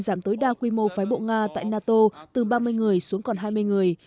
giảm tối đa quy mô phái bộ nga tại nato từ ba mươi người xuống còn hai mươi người